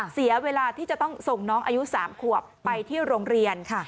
เสียเวลาที่จะต้องส่งน้องอายุ๓ขวบไปที่โรงเรียน